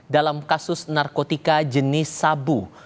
dalam kasus narkotika jenis sabu